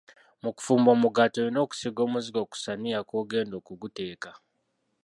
Mu kufumba omugaati olina okusiiga omuzigo ku ssaniya kwogenda okuguteeka.